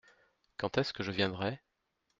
Quand est-ce que je viendrai ?